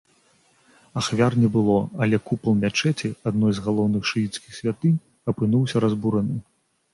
Ахвяр не было, але купал мячэці, адной з галоўных шыіцкіх святынь, апынуўся разбураны.